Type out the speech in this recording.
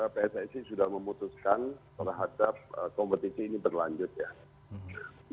pssi sudah memutuskan terhadap kompetisi ini berlanjut ya